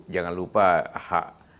jangan lupa hak